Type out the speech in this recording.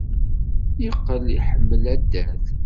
Yeqqel iḥemmel addal.